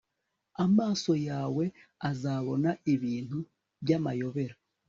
amaso yawe azabona ibintu by'amayobera